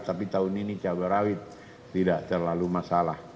tapi tahun ini cabai rawit tidak terlalu masalah